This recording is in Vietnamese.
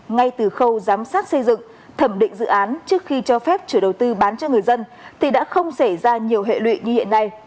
ngay từ khâu giám sát xây dựng thẩm định dự án trước khi cho phép chủ đầu tư bán cho người dân thì đã không xảy ra nhiều hệ lụy như hiện nay